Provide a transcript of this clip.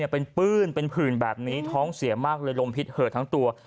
เป็นปื้นเป็นผื่นแบบนี้ท้องเสียมากเลยลมพิษเหอะทั้งตัว